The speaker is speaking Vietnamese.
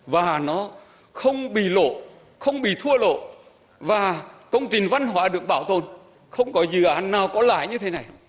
và nó không bị lộ không bị thua lộ và công trình văn hóa được bảo tồn không có dự án nào có lại như thế này